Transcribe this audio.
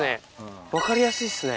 分かりやすいっすね。